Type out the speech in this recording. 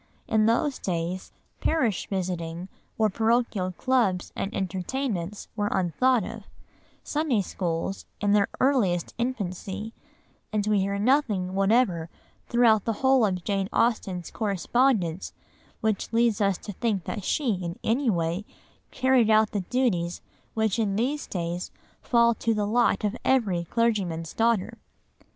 In those days parish visiting or parochial clubs and entertainments were unthought of, Sunday schools in their earliest infancy, and we hear nothing whatever throughout the whole of Jane Austen's correspondence which leads us to think that she, in any way, carried out the duties which in these days fall to the lot of every clergyman's daughter.